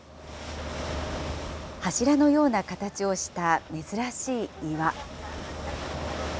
柱のような形をした珍しい岩。